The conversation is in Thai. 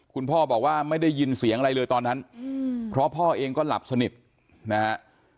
คุณพ่อบอกว่าไม่ได้ยินเสียงอะไรเลยตอนนั้นเพราะพ่อเองก็หลับสนิทนะฮะ